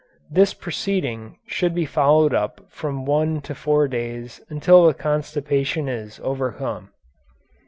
This proceeding should be followed up from one to four days until the constipation is overcome.